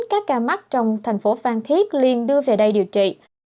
các ca mắc trong tp phan thiết liên đưa về đây điều trị